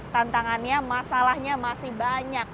tantangannya masalahnya masih banyak